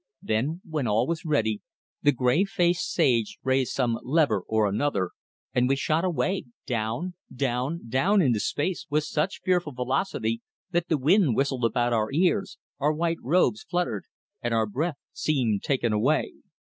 Then, when all was ready, the grave faced sage raised some lever or another, and we shot away down, down, down into space with such fearful velocity that the wind whistled about our ears, our white robes fluttered, and our breath seemed taken away.